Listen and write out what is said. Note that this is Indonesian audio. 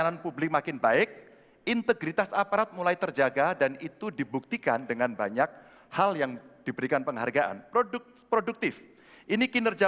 kami mohon sedian anda semua untuk berdiri menyanyikan lagu kebangsaan indonesia raya